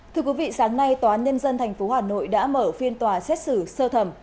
thưa quý vị sáng nay tòa án nhân dân tp hà nội đã mở phiên tòa xét xử sơ thẩm